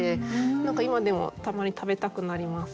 何か今でもたまに食べたくなります。